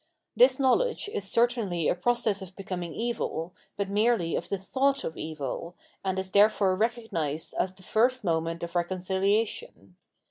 This knowledge is certainly a process of becoming evil, but merely of the thought of evil, and is therefore recog nised as the first moment of reconciliation.